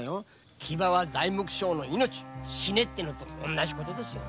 木場は材木商の命死ねって事と同じですよ。